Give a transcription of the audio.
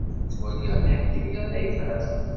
Ttwaliɣ-t ḥnin yerna yefhem.